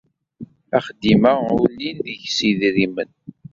Axeddim-a ur llin deg-s yedrimen.